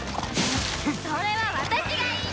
それは私が言いたい！